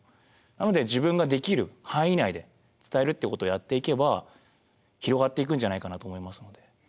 なので自分ができる範囲内で伝えるっていうことをやっていけば広がっていくんじゃないかなと思いますので。